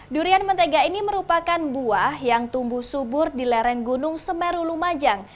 durian mentega ini merupakan buah yang tumbuh subur di lereng gunung semeru lumajang